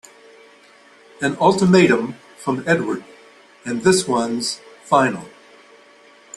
An ultimatum from Edward and this one's final!